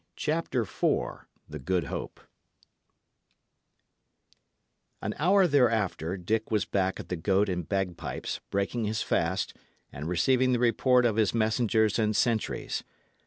CHAPTER IV THE GOOD HOPE An hour thereafter, Dick was back at the Goat and Bagpipes, breaking his fast, and receiving the report of his messengers and sentries.